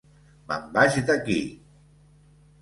Me'n vaig d'aquí!